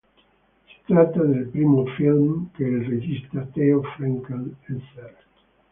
Si tratta del primo film che il regista Theo Frenkel sr.